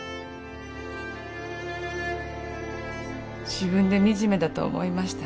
自分で惨めだと思いました。